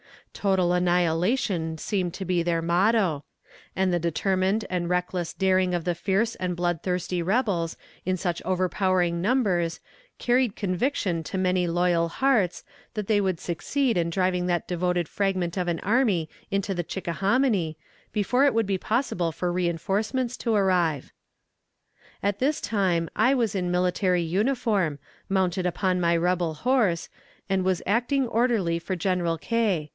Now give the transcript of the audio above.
Total annihilation seemed to be their motto, and the determined and reckless daring of the fierce and bloodthirsty rebels in such overpowering numbers carried conviction to many loyal hearts that they would succeed in driving that devoted fragment of an army into the Chickahominy, before it would be possible for reinforcements to arrive. At this time I was in military uniform, mounted upon my rebel horse, and was acting orderly for General K.